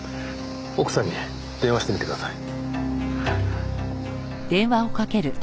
奥さんに電話してみてください。